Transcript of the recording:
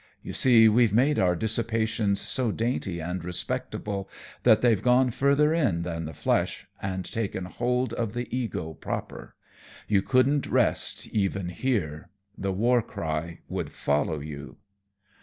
You see we've made our dissipations so dainty and respectable that they've gone further in than the flesh, and taken hold of the ego proper. You couldn't rest, even here. The war cry would follow you."